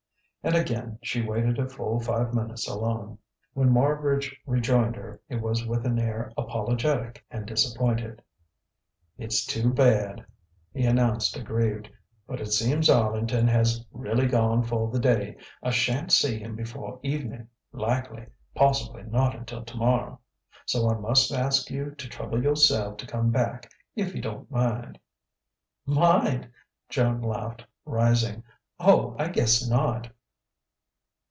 And again she waited a full five minutes alone.... When Marbridge rejoined her, it was with an air apologetic and disappointed. "It's too bad," he announced, aggrieved, "but it seems Arlington has really gone for the day. I shan't see him before evening, likely, possibly not until tomorrow. So I must ask you to trouble yourself to come back, if you don't mind." "Mind!" Joan laughed, rising. "Oh, I guess not."